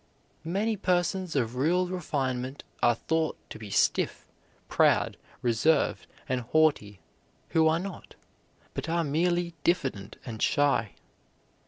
Many persons of real refinement are thought to be stiff, proud, reserved, and haughty who are not, but are merely diffident and shy.